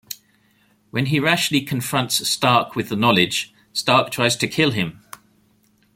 When he rashly confronts Stark with the knowledge, Stark tries to kill him.